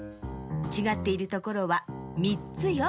ちがっているところは３つよ。